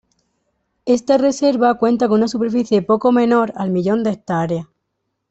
Esta reserva cuenta con una superficie poco menor al millón de ha.